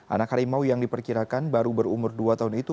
anak harimau yang diperkirakan baru berumur dua tahun itu